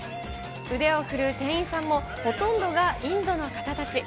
腕を振るう店員さんもほとんどがインドの方たち。